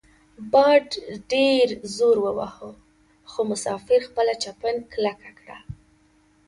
باد ډیر زور وواهه خو مسافر خپله چپن کلکه کړه.